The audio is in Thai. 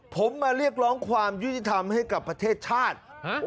ผมมาเรียกร้องความยุติธรรมให้กับประเทศชาติ